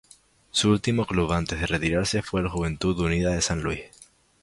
Su último club antes de retirarse fue Juventud Unida de San Luis.